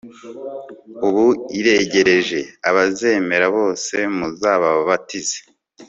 ubu iregereje, abazemera bose muzabababatize